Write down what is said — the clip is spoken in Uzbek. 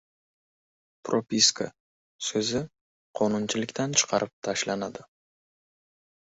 "Propiska" so‘zi qonunchilikdan chiqarib tashlanadi